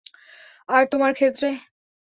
আর তোমার ক্ষেত্রে?